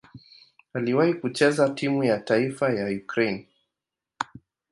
Aliwahi kucheza timu ya taifa ya Ukraine.